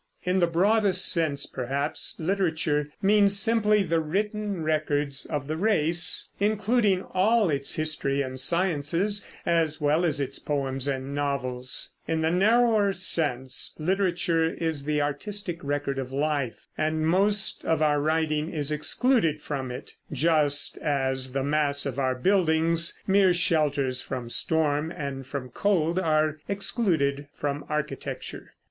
In the broadest sense, perhaps, literature means simply the written records of the race, including all its history and sciences, as well as its poems and novels; in the narrower sense literature is the artistic record of life, and most of our writing is excluded from it, just as the mass of our buildings, mere shelters from storm and from cold, are excluded from architecture.